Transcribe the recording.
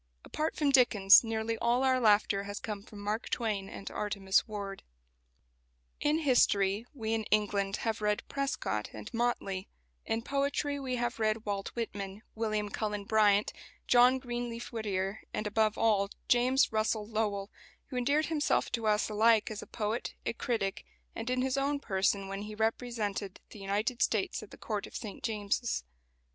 Apart from Dickens, nearly all our laughter has come from Mark Twain and Artemus Ward. In history, we in England have read Prescott and Motley; in poetry we have read Walt Whitman, William Cullen Bryant, John Greenleaf Whittier, and, above all, James Russell Lowell, who endeared himself to us alike as a poet, a critic, and in his own person when he represented the United States at the Court of St James's.